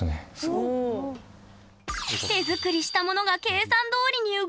手作りしたモノが計算どおりに動く